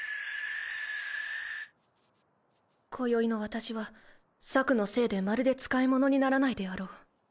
今宵の私は朔のせいでまるで使い物にならないであろう。